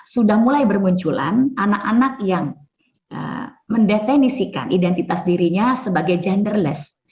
sudah mulai bermunculan anak anak yang mendefinisikan identitas dirinya sebagai genderless